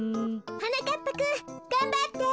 はなかっぱくんがんばって。